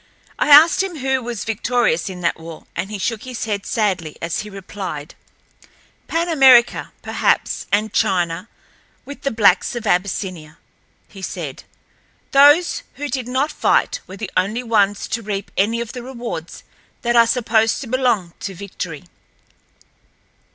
I asked him who was victorious in that war, and he shook his head sadly as he replied: "Pan America, perhaps, and China, with the blacks of Abyssinia," he said. "Those who did not fight were the only ones to reap any of the rewards that are supposed to belong to victory.